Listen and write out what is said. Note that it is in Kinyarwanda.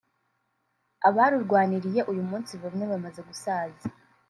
abarurwaniriye uyu munsi bamwe bamaze gusaza